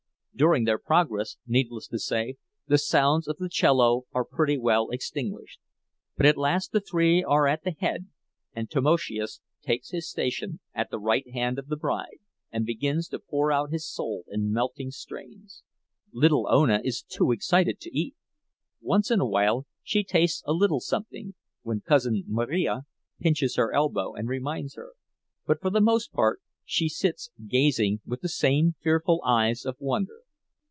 During their progress, needless to say, the sounds of the cello are pretty well extinguished; but at last the three are at the head, and Tamoszius takes his station at the right hand of the bride and begins to pour out his soul in melting strains. Little Ona is too excited to eat. Once in a while she tastes a little something, when Cousin Marija pinches her elbow and reminds her; but, for the most part, she sits gazing with the same fearful eyes of wonder.